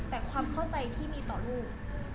แต่ความเข้าใจที่มีต่อลูก